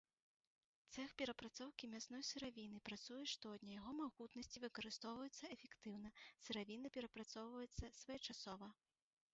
Цэх перапрацоўкі мясной сыравіны працуе штодня, яго магутнасці выкарыстоўваюцца эфектыўна, сыравіна перапрацоўваецца своечасова.